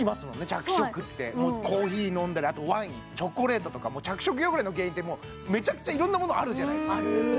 着色ってそうなんですコーヒー飲んだりあとワインチョコレートとか着色汚れの原因ってめちゃくちゃいろんなものあるじゃないですか